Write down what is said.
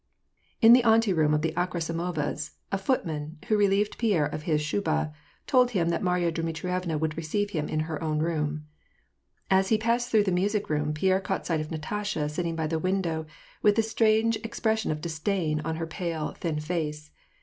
In the anteroom of the Akhrasimova's, a footman, who re lieved Pierre of his shuba, told him that Marya Dmitrievna would receive him in her own room. As he passed through the music room Pierre caught sight of Natasha sitting by the window, with a strange expression of disdain on her pale, thin face.